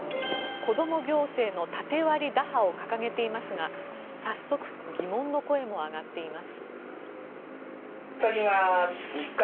子ども行政の縦割り打破を掲げていますが早速、疑問の声も上がっています。